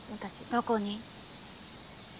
どこに？